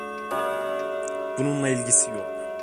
Bununla ilgisi yok.